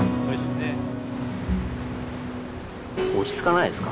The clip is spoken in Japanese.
落ち着かないですか？